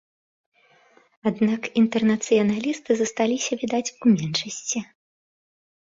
Аднак інтэрнацыяналісты засталіся, відаць, у меншасці.